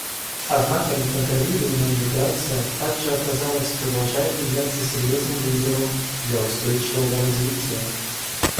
Однако неконтролируемая миграция также оказалась и продолжает являться серьезным вызовом для устойчивого развития.